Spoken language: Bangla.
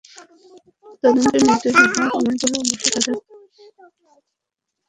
তদন্তে নির্দোষ প্রমাণিত হলে অবশ্যই তাঁদের কোনো হয়রানি করা হবে না।